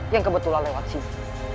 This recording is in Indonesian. yang kebetulan lewat sini